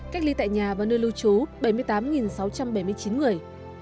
cách ly tại nhà và nơi lưu trú bảy mươi tám sáu trăm bảy mươi chín người